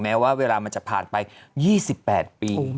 แม้ว่าเวลามันจะผ่านไป๒๘ปี